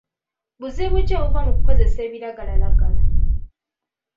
Buzibu ki obuva mu ku kozesa ebiragalalagala?